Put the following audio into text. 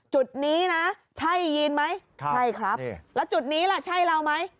จุดนี้นะใช่ยีนไหมใช่ครับแล้วจุดนี้ล่ะใช่เราไหม